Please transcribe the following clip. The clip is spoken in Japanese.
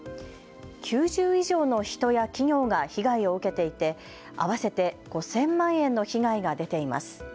９０以上の人や企業が被害を受けていて合わせて５０００万円の被害が出ています。